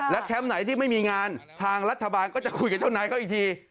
แคมป์ไหนที่ไม่มีงานทางรัฐบาลก็จะคุยกับเจ้านายเขาอีกที